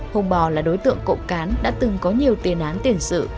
hùng bò là đối tượng cộng cán đã từng có nhiều tiền án tiền sự